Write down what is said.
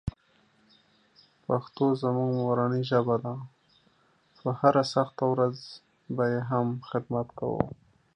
پښتو زموږ مورنۍ ژبه ده، په هره سخته ورځ به یې هم خدمت کوو.